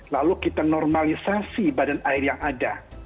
lalu kita normalisasi badan air yang ada